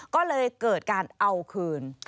ก็เลยเกิดการเอาคืน